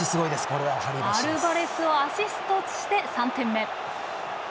アルバレスをアシストして３点目。